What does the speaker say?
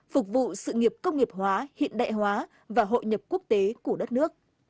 phục vụ sự nghiệp công nghiệp hóa hiện đại hóa và hội nhập quốc tế của đất nước